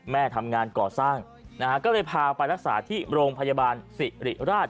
แม่ทำงานก่อสร้างนะฮะก็เลยพาไปรักษาที่โรงพยาบาลสิริราช